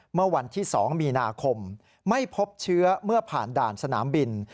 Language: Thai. เมื่อวันที่๒มีนาคมไม่พบเชื้อเมื่อผ่านด่านสนามบิน